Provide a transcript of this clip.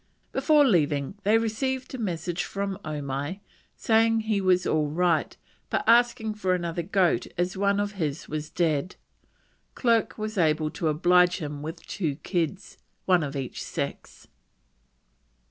Before leaving they received a message from Omai, saying he was all right, but asking for another goat as one of his was dead. Clerke was able to oblige him with two kids, one of each sex.